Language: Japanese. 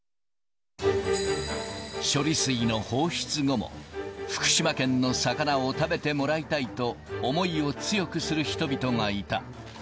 処理水の放出後も、福島県の魚を食べてもらいたいと思いを強くする人々がいた。